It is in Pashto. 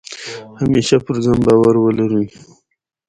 همېشه پر ځان بارو ولرئ، بیا کامیابي ستاسي ده.